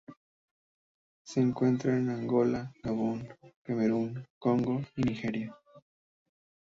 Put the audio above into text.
Se encuentra en Angola, Gabón, Camerún, Congo y Nigeria.